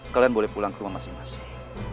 kalian boleh pulang ke rumah masing masing